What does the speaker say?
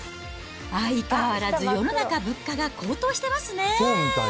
相変わらず世の中、物価が高騰してますねぇ。